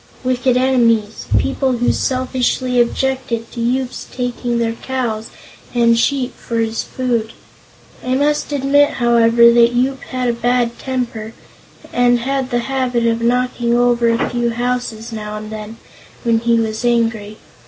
"Wicked enemies. People who selfishly objected to Yoop's taking their cows and sheep for his food. I must admit, however, that Yoop had a bad temper, and had the habit of knocking over a few houses, now and then, when he was angry.